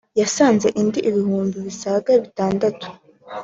yasanze indi ibihumbi bisaga bitandatu